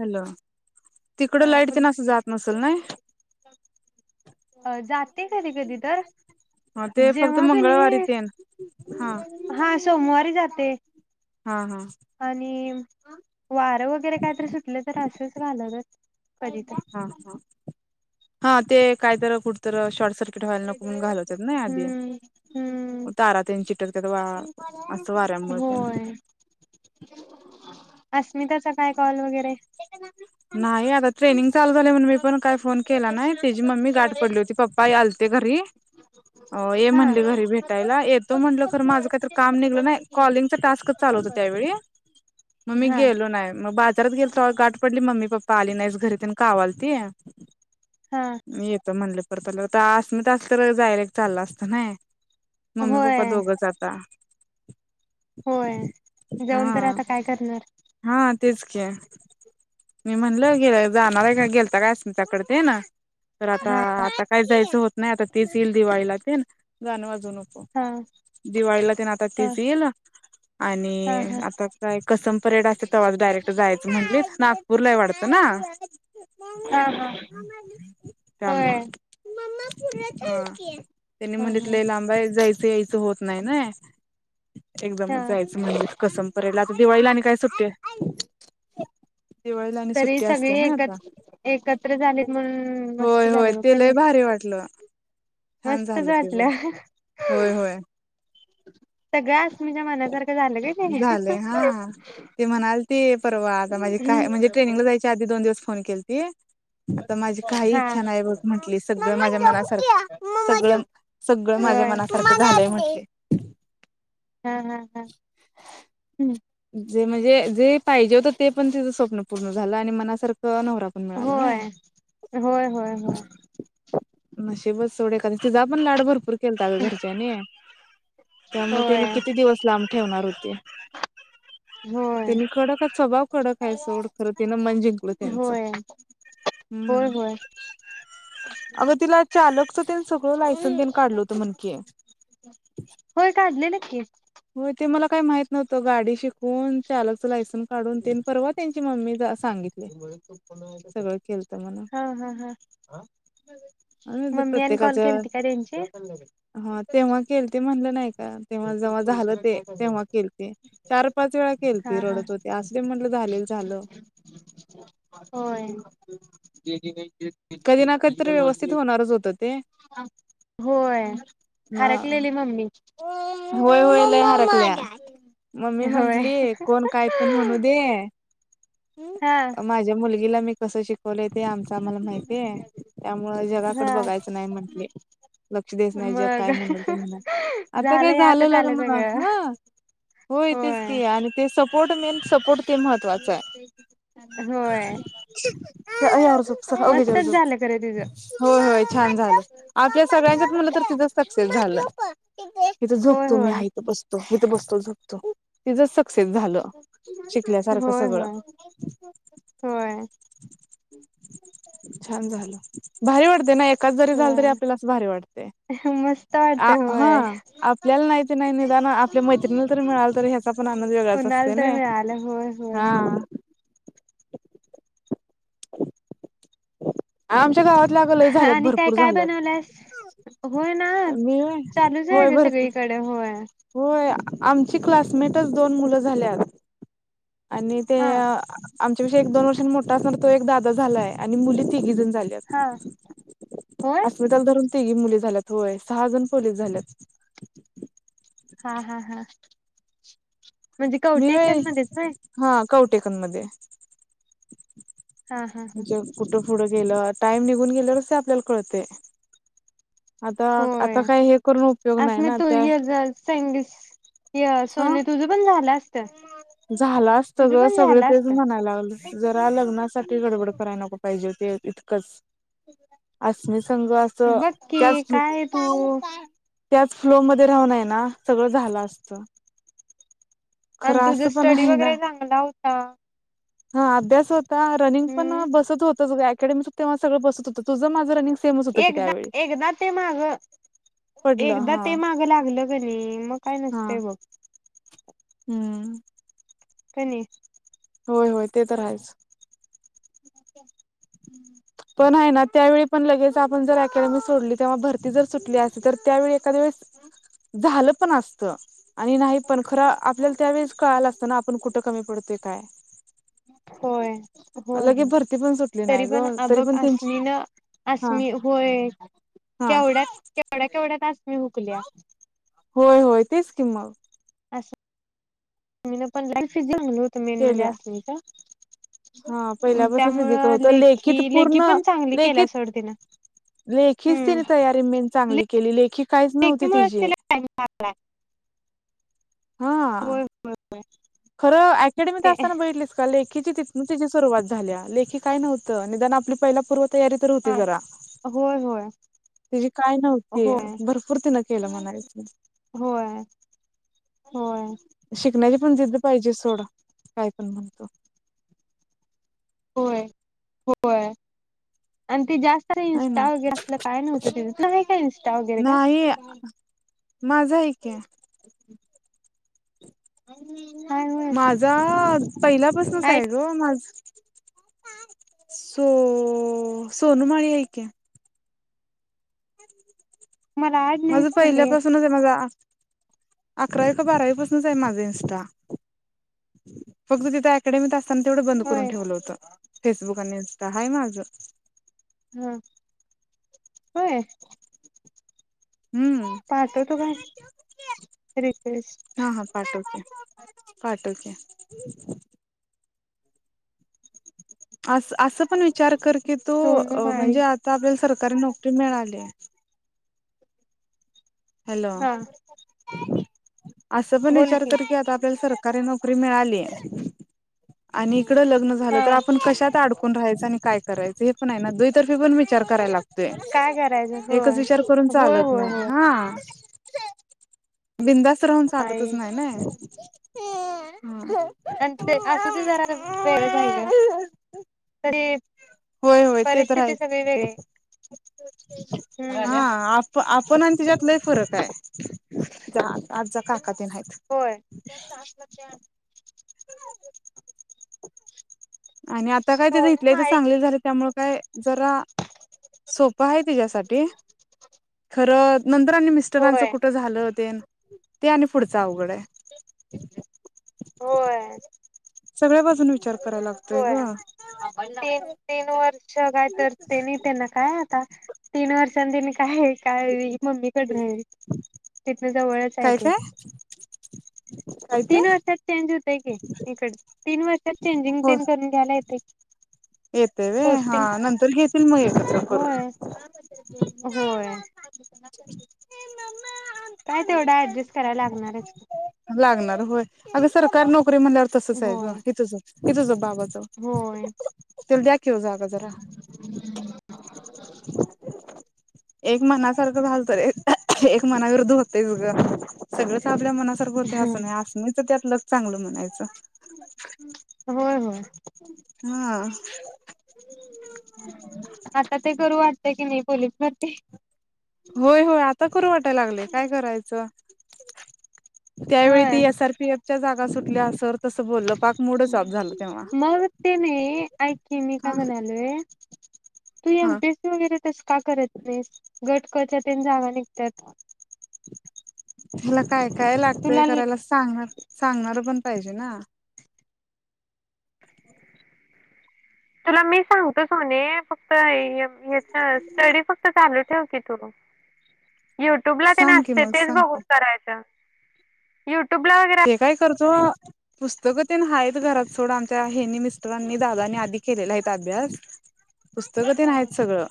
Hello.. तिकडं हा light बोल तेन असं की? जात नसेल नाही अ जात कधी कधी तर? हा ते फक्त जेव्हा कणी मंगळवारी तेन हा हा सोमवारी जाते. हा हा आणि वारं वगैरे काहीतरी सुटल तर, असेच घालवलं. हा. हा. हा. ते काय तर कुठ तर शॉर्ट सर्किट म्हणून घालवतात नाय आधी हम्म हम्म तारा ते चिटक वा अस वार त्यामुळ त्यांना अस्मिताचा काय कॉल वगैरे? नाही आता ट्रेनिंग चालू झालीय म्हणून, मी पण काय फोन केला नाय त्याची मम्मी गाठ पडली होती. पप्पा ही आलते ते घरी, अ ये हा म्हणली घरी भेटायला, येतो म्हणल तर माझं काहीतरी काम निघलं, नाही कॉलिंगचा टास्कच चालू त्यावेळी, म मी हा गेलो नाय. म बाजारात गेलतो म गाट म्हणली मम्मी पप्पा आली नाहीस घरी पन काव आलती हा मी येतो म्हणलं आता अस्मिता असलं तर डायरेक्ट चालल असतं नाय मम्मी, पप्पा होय दोघ आता. होय! जाऊन तर हा आता काय करणार? हा तेच की, मी म्हणल गेल जाणार आहे का? गेलता काय अस्मिता कड ते न? तर आता. हा आता काय जायच होत नाही. आता तीच येईल दिवाळीला तेन, नको हा. दिवाळीला तेन आता हा तीच येईल. हा आणि हा आता काय कसम परेड असतेत, तवाच डायरेक्ट जायचं म्हणलेत. नागपूरला ये वाटतं ना? हा हा त्यामुळ. होय ह. त्यांनी हा म्हणलित हा लय लांब येत जायच यायच होत नाय नय. एकदमच हा जायचं म्हणली कसम परेड ला आता दिवाळीला आणि काय सुट्टी दिवाळीला आणि तरी सुट्टी सगळी असते नाय आता, एकत्र एकत्र झालीत म्हणून मस्त होय. होय. झालं बघ ते कणी लई भारी वा वाटल. मस्तच वाटल. होय होय सगळ आसमीच्या मनासारखं झाल का ते, झालंय हा. ते म्हणाल ते परवा आता माझी काय म्हणजे, ट्रेनिंगला जायच्या आधी दोन दिवस फोन केलती. आता माझी काही हा इच्छा नाही बघ म्हंटली सगळं माझ्या मनास सगळ, सगळं माझ्या होय मनासारखं झालंय म्हटली. ह. ह. ह. ह्म्म! जे म्हणजे. जे पाहिजे होतं ते पण तिचं स्वप्न पूर्ण झालं आणि मनासारखं स नवरा पण मिळाला नाय. होय होय होय होय नशीबत सोडे कधी. तुझा पण लाड भरपूर केलता ग घरच्यांनी. त्यामुळे होय त्याने किती दिवस लांब ठेवणार होते? [inaudible] होय. त्यांनी कडकच स्वभाव कडक आहे सोड खरं तिनं मन जिंकलं त्यांचं होय. होय हम्म. होय. अगं तिला चालक हो लायसन पण काढल होत म्हण की, होय काढलेलं की होय ते मला काही माहित नव्हतं गाडी शिकून, चालकच लायसन्स काढून. तेन परवा त्यांची मम्मी सांगितले सगळं हा.. हा.. हा. आम्ही बी मम्मी आणि कॉल प्रत्येकाच्या केलती का त्यांची हा तेव्हा केलती म्हणलं नाई. तेव्हा जव्हा झालं ते तेव्हा केल. चार पाच वेळा केलती हा हा रडत होती. असमी त म्हणल झाल झाल. होय. कधी ना कधी तरी व्यवस्थित होणारच होत ते. होय हा. हरकलेली मम्मी. होय होय लय हरकल्या मम्मी होय म्हंटली कोण काय पण म्हणू दे हा ह माझ्या मुलगीला मी कस शिकवलय ते आमच आम्हाला माहितीय त्यामुळ हा जगाकड बघायचं नाय म्हंटली. लक्ष द्यायच नाय जग मग काय म्हणल ते म्हणाल आता काय झालंय झालं आताच आलं लग्न सगळं ह होय तेेच ती आणि ते सपोर्ट मेन सपोर्ट ते महत्त्वाच हाय. ह्या ह्यावर झोप ओक हिजावर मस्तच झोप झालं खरं तुझं होय. होय छान झालं आपल्या सगळ्यांच्यात मलं तर तिजच सक्सेस झालं. इथ होय झोपतू मी होय आ इथ बसतो इथ बसतो झोपतु तिझ क्सेस झालं शिकल्यासारखं होय सगळं. होय होय छान झालं. भारी वाटते ना एकाच जरी झालं तरी होय आपल्याला भारी वाटतय. मस्त वाटत आ होय हं आपल्याला नाही तर नाही निदान आपल्या मैत्रिणीला तरी मिळाल तर ह्याचा पण नंद वेगळळाच कुणाला असते तर नई मिळालं होय होय हा. [inaudible] आमच्या गावातल्या अग लय झाल्यात आणि काय भरपूर काय झाल्यात. बनवल्यास? होय ना मी व्हय चालूच आहे होय ग भरपूर सगळीकडे होय. होय आमची क्लासमेटच दोन मुलं झाल्यात. आणि ते हा आमच्या पक्षी एक दोन वर्षां मोठा असणार तो एक दादा झालाय आणि मुली तिघी जण हा होय अस्मिताला धरून तिघी मुली झाल्यात होय सहा जण पोलीस झाल्यात. हा हा हा म्हणजे मी कवटे होय एटनमध्येच नाय. हा कवटेकनमध्ये हा हा हा म्हणजे कुठं पुुढं गेलं टाइम निघून गेल्यावरच ते आपल्याला कळते. आता होय आता काय हे करून उपयोग आज नाही मी ना तू त्या संगीस य सोने तुझं पण झालास झालं असत ग सगळ तेच असतं. म्हणायला लागलं जरा लग्नासाठी गडबड कराय नको पाहिजे ते इतकंच. अस्नी संघ असं बघ [unintelligible] की काय तू त्याच फ्लो मध्ये राहूनय ना सगळं झालं असत. आणि तुझ स्टडी वगैरे चांगला होता. हा अभ्यास होता रनिंग पण हम्म बसत होतच ग ऍक अकॅडमिच तेव्हा सगळ बसत होत तुझं माझं रनिंग सेमच होतं की एकदा त्यावेळी एकदा ते माग पडलं एकदा हा ते मागं लागलं कने मग काय हा नसतंय बघ. हम्म. कनी. होय होय ते तर हायच. हम्म. पण हाय ना त्यावेळी पण लगेच आपण जर अकॅडमी सोडली तेव्हा भरती जर सुटली असेल तर त्यावेळी काद्या वेळेस झालं पण असत. आणि नाही पण खर आपल्याला त्यावेेळेस कळाल असताना आपण कुठं कमी पडतोय काय होय. होय अलागेच होय. बरती पण सुटली तरी नाही ग पण अ तरी बघ पण त्यांची आसमीन हा असमी होय. हा केवढ्यात केवढ्या केवढ्यात आस्मि हुकल्या. होय होय तेच किं मग. मीन पण [unintelligible] चांगल होत मेन म्हणजे केल्या असमीच. हा पहिल्यापासून फिजिकल त्यामुळं होतं लेखी लेखित लेखी पूर्ण पण चांगली केल्या लेखित सोडतीनं- लेखीच तिने तयारी मेन चांगली केली लेखी- काहीच नव्हती लेखीमुळेच तिची तिला हा- होय खरं अकॅडमीत ते असताना बघितलीस का? तिची तिथन सुरुवात झाली लेखी काय नव्हतं निदान आपली पहिला पूर्व- तयारी तर होती हा जरा. होय होय तिची काय नव्हती होय भरपूर तिनं केलं म्हणायच- होय होय. शिकण्याची पण जिद्द पाहिजे सोडं काय पण- होय होय आणि ते जास्त- अरे आहे ना इंस्टा वगैरे असल काय नव्हतं तिज आहे का इंस्टा वगैरे का? माझ हाय की. माझा पहिलापासूनच आहे ग माझ. सो सोनु माळी हाय की. मला ऍड नाही माझं सोने पहिल्यापासूनच आहे. अकरावी का बारावी पासूनच आहे माझ इनस्टा. फक्त तिथ अकॅडमीत असता- तेवढं बंद करून होय ठेवलं होत फेसबुक अणि इनस्टा हय माझं. हम होय. हम्म पाहतो तो काय. रिक्वेस्ट हा हा पाठवते पाठवते- अस असं पण विचार कर की तो सोनू माळी म्हणजे आता आपल्याला सरकारी नोकरी मिळाली- हॅलो हा असं पण विचार कर की आता आपल्याला सर- कारी नोकरी मिळाली आणि इकड लग्न झालं हा तर आपण कशात आड कोण राहायचं आणि काय करायच हे पण आहे ना दुतर्फी पण विचार कराय लागत- काय करायचं एकच होय विचार करून होय चालत होय नाही होय हा- बिनधास्त राहून चालतच आहे नाही ना- वेळ आहे का? होय होय ते तर वेगळी आहेच. हा आप आपण आणि तिच्यात लय फरक हाय. जा आत जा काका तेन आहेत. होय आणि आता काय त सोनू इथलं इथ माळी चांगल झाल त्यामुळ काय जरा सोप- पय तिच्यासाठी खरं नंतर आणि मिस्टरांचं होय कुठं झालं- तेन ते आणि पुढच अवघड- होय. सगळ्या बाजून विचार- करायला लागतोय होय ग तीन तीन वर्ष काय तर तेनी ते ना काय? आता तीन वर्षांन तेनी काय काय मम्मी कड- जवळच आहे काय ते- काय काय ते तीन वर्षात चेंज होतय की इकड तीन वर्षात चेंजिंग तेन करून घ्यायला येतय की- येतेव व्हय हा नंतर हे घेतील म- होय होय. काय तेवढा ऍडजस्ट कराय लागणारच. अग सरकारी नोकरी म्हंटल्याव अर्थ तसच होय हाय इझ इझ- बाबाज होय तेला द्या की हो जागा जरा- [inaudible] एक मनासारखं झालत रे एक मनाविरुद्ध होतय ग सगळं- आपल्या मनासारखं होत असं नाही अस नाहीच त्यात लग चांगलं म्हणायचं. होय होय. हा. आता ते करावस वाटत की नाही? पोलीस भरती होय -होय आता करावसं वाटायला लागले काय करायचं? त्यावेळी होय ती एस आरपीएफच्या जागा सुटल्या अ बोललो पाक [inaudible] मग ते नाही ऐक मी काय हा म्हणते तू हा एमपीएससी वगैरे तस का करत नाहीस गट क च्या ही जागा निघतात याला काय-काय लागतय तुला करायला सांगणार सांगणार पण नाही पाहिजे ना तुला मी सांगतो सोने फक्त या स्टडी फक्त चालू ठेव युट्यूब ला ते सांग की असते मग तेच सांग बघून की करायच य ते काय करतो पुस्तक ते आहेत घरात सोड, आमच्या यांनी मिस्टरांनी मिस्टरांनी दादानी आधी केलेला आहे अभ्यास पुस्तक ते हा नाही आहेत सगळं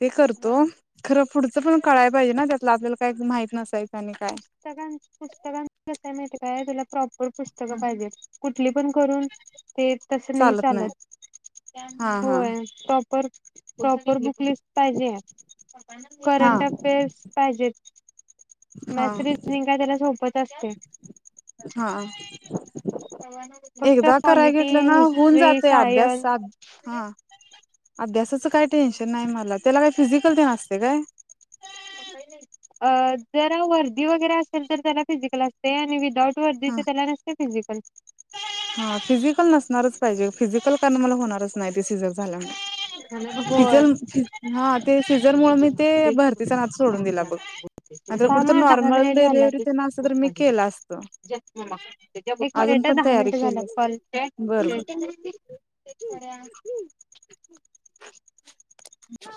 ते करते हा खरं पुढचं पण कळायला पाहिजे ना, त्यातलं आपल्याला काय माहीत नसायचं आणि काय पुस्तका न च कसा आहे माहित आहे का? प्रॉपर पुस्तकं पाहिजेत कुठली पण करून ते तस नाही हा चालत हा होय प्रॉपर प्रॉपर बुकलेस पाहिजे हा करंट अफेअर्स पाहिजेत हा मॅस रिजनिंग का त्याला सोपत असते हा एकदा कराय घेतलं ना होऊन हिस्ट्री जातो अभ्यास सायन्स हा अभ्यासाचं काय टेन्शन नाही मला त्याला काय फिजिकल पण असते काय? अ जर वर्दी वगैरे असेल तर त्याला फिजिकल असते आणि विदाऊट वर्दी ह त्याला नसते फिजिकल हा फिजिकल नसणारच पाहिजे फिजिकल कारण मला होणारच नाही ते सिझर झाल्यामुळे होय फिजिकल ते सिजर मुळे मी भरतीचा नाद सोडून दिला बघ आता जर माझी दहा नॉर्मल मिनिट डिलिव्हरी झाली असती तर मी केलं असतं तेच कीं मग अजून पण दहा तयारी मिनिटे केली झाले असती कॉल चे बर बर ह